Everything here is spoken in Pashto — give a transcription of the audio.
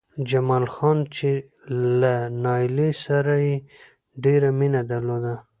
جمال خان چې له نايلې سره يې ډېره مينه درلوده